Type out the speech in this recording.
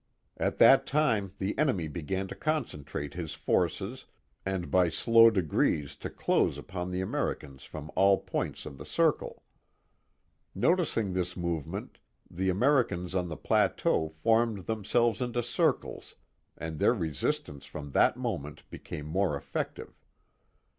At that time the enemy began to concentrate his forces and by slow degrees to close upon the Americans from all points of the circle. Noticing this movement the Americans on the plateau formed themselves into circles and their resistance from that moment became more effective.